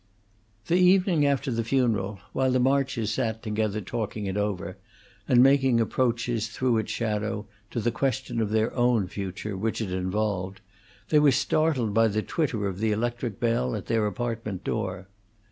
The evening after the funeral, while the Marches sat together talking it over, and making approaches, through its shadow, to the question of their own future, which it involved, they were startled by the twitter of the electric bell at their apartment door.